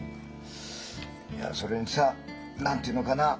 いやそれにさ何というのかな